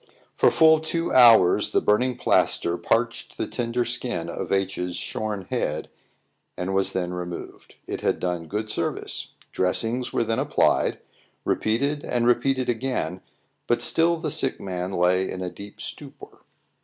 For full two hours the burning plaster parched the tender skin of H 's shorn head, and was then removed; it had done good service. Dressings were then applied; repeated and repeated again; but still the sick man lay in a deep stupor.